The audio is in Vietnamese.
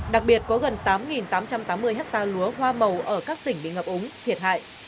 đặc biệt có gần tám tám trăm tám mươi hectare lúa hoa màu ở các tỉnh bị ngập úng thiệt hại